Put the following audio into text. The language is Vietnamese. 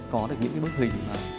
có được những bước hình